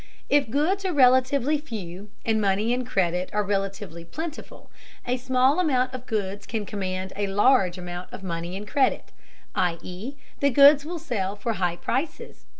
If goods are relatively few and money and credit are relatively plentiful, a small amount of goods can command a large amount of money and credit, i.e. the goods will sell for high prices.